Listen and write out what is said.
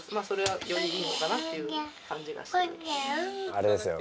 あれですよ。